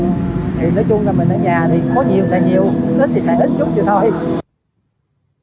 nói chung là mình ở nhà thì có nhiều sẽ nhiều ít thì sẽ ít chút thôi